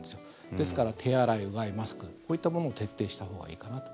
ですから手洗い、うがい、マスクこういったものを徹底したほうがいいかなと。